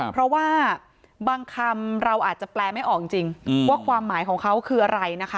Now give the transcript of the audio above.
เพราะว่าบางคำเราอาจจะแปลไม่ออกจริงว่าความหมายของเขาคืออะไรนะคะ